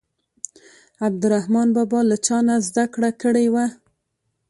عبدالرحمان بابا له چا نه زده کړه کړې وه.